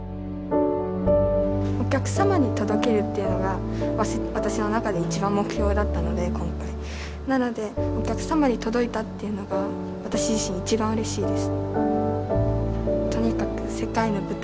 お客様に届けるっていうのが私の中で一番目標だったので今回なのでお客様に届いたっていうのが私自身一番うれしいです。